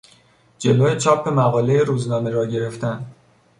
جلو چاپ مقالهی روزنامه را گرفتن